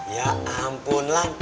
ya ampun lah